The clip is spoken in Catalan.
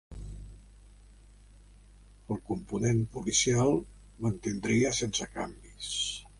El component policial mantindria sense canvis.